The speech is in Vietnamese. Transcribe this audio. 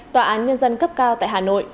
tòa án nhân dân cấp cao tại hà nội